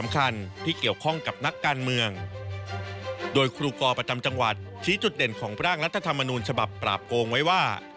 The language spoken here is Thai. ของพระร่างรัฐธรรมนูญฉบับปราบโกงไว้ว่า